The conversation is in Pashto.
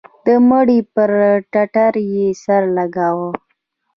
د مړي پر ټټر يې سر لگاوه.